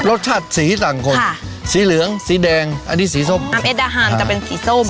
โรสชาติสีสังคตฮะสีเหลืองสีแดงอันนี้สีซ่มอ๋ออ๋ามาเอ็ดหาร์จะเป็นสีส้ม